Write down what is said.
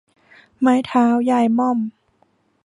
ไม้เท้ายายม่อม